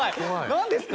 何ですか？